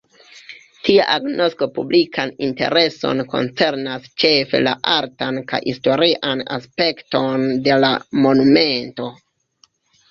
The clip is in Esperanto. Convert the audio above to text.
Tia agnosko publikan intereson koncernas ĉefe la artan kaj historian aspekton de la monumento.